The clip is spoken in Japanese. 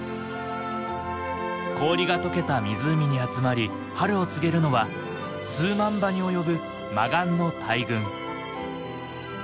氷がとけた湖に集まり春を告げるのは数万羽に及ぶマガンの大群。